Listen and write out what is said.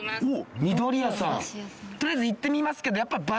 とりあえず行ってみますけどやっぱおお！